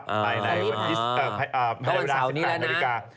ไปในวันที่๑๘นาฬิกา